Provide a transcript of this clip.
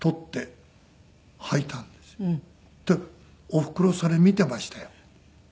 おふくろそれ見てましたよ。